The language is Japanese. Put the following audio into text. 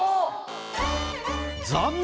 残念！